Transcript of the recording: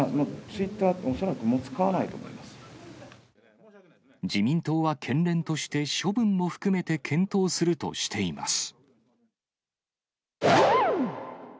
ツイッターは、恐らくもう使自民党は県連として処分も含めて検討するとしています。